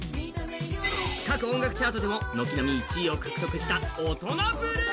各音楽チャートでも軒並み１位を獲得した「オトナブルー」。